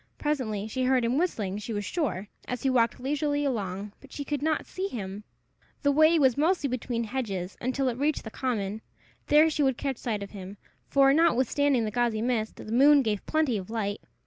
Presently she heard him whistling, she was sure, as he walked leisurely along, but she could not see him. The way was mostly between hedges until it reached the common: there she would catch sight of him, for, notwithstanding the gauzy mist, the moon gave plenty of light.